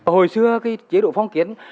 hồi xưa cái chế độ phong kiến